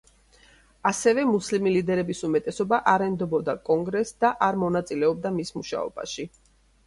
ასევე მუსლიმი ლიდერების უმეტესობა არ ენდობოდა კონგრესს და არ მონაწილეობდა მის მუშაობაში.